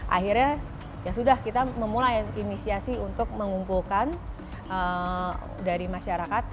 akhirnya ya sudah kita memulai inisiasi untuk mengumpulkan dari masyarakat